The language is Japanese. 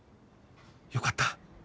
よかった。